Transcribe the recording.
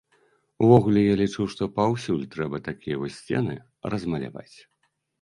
Увогуле, я лічу, што паўсюль трэба такія вось сцены размаляваць.